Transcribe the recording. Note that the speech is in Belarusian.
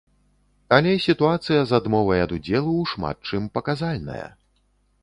Але сітуацыя з адмовай ад удзелу ў шмат чым паказальная.